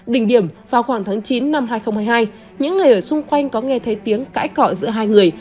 đỉnh điểm vào khoảng tháng chín năm hai nghìn hai mươi hai những người ở xung quanh có nghe thấy tiếng cãi cọ giữa hai người